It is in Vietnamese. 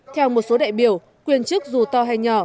theo một số đại biểu quyền chức dù to hay nhỏ